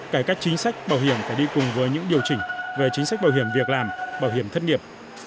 cải cách chính sách bảo hiểm phải đi cùng với những điều chỉnh về chính sách bảo hiểm việc làm bảo hiểm thất nghiệp